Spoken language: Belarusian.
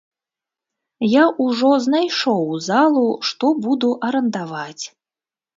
Я ўжо знайшоў залу, што буду арандаваць.